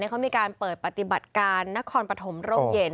เขามีการเปิดปฏิบัติการนครปฐมร่มเย็น